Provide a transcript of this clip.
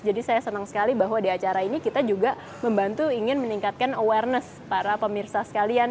jadi saya senang sekali bahwa di acara ini kita juga membantu ingin meningkatkan awareness para pemirsa sekalian